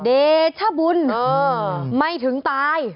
เดชบุญไม่ถึงตาย